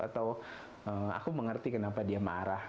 atau aku mengerti kenapa dia marah